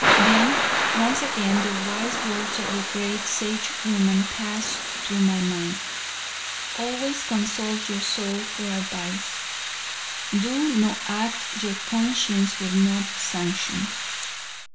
Then once again the wise words of the great Sagewoman passed through my mind: "Always consult your soul for advice. "Do no act your conscience will not sanction."